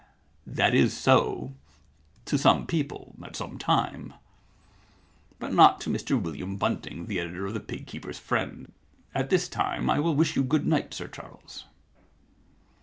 That is so — to some people at some times — but not to Mr William Bunting, the editor of The Pig keepers* Friend, at this time. I will wish you good night, Sir Charles."